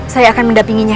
saya akan mendapingi nyai